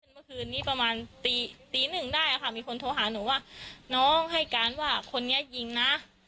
เมื่อคืนนี้ประมาณตีตีหนึ่งได้ค่ะมีคนโทรหาหนูว่าน้องให้การว่าคนนี้ยิงนะ